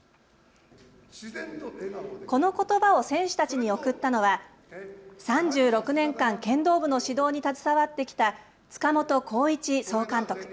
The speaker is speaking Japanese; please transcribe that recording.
このことばを選手たちに送ったのは３６年間、剣道部の指導に携わってきた塚本浩一総監督。